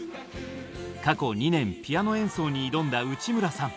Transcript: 過去２年ピアノ演奏に挑んだ内村さん。